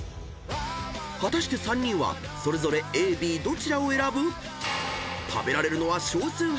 ［果たして３人はそれぞれＡ・Ｂどちらを選ぶ？］